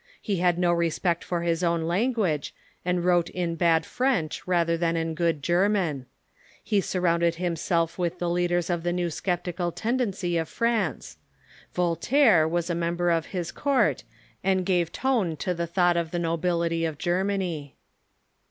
He had no respect for his own language, and wrote in bad French rather than in good German. He surrounded himself with the leaders of the new sceptical tendency of France. Voltaire was a member of his court, and gave toiie to the thought of the nobility of Germany.